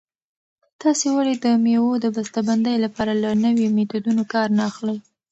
تاسې ولې د مېوو د بسته بندۍ لپاره له نویو میتودونو کار نه اخلئ؟